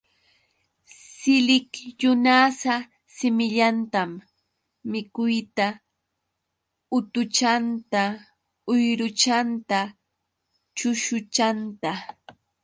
Siliksyunasa simillatam mikuyta, utuchanta, uyruchanta, chusuchanta.